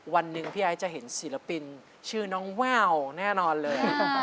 วันหนึ่งพี่ไอ้จะเห็นศิลปินชื่อน้องแววแน่นอนเลย